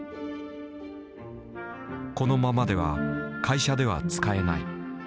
このままでは会社では使えない。